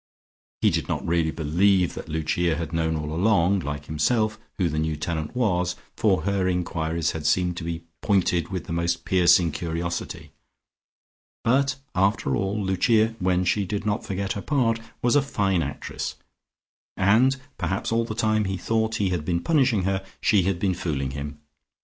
He did not really believe that Lucia had known all along, like himself, who the new tenant was, for her enquiries had seemed to be pointed with the most piercing curiosity, but, after all, Lucia (when she did not forget her part) was a fine actress, and perhaps all the time he thought he had been punishing her, she had been fooling him.